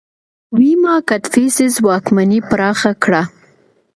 ویما کدفیسس واکمني پراخه کړه